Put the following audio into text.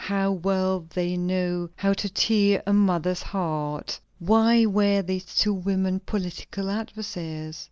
how well they know how to tear a mother's heart!" Why were these two women political adversaries?